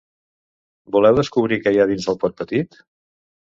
Voleu descobrir què hi ha dins el Pot Petit?